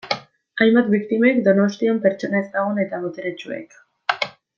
Hainbat biktimek Donostian pertsona ezagun eta boteretsuek.